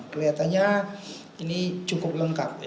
keliatannya ini cukup lengkap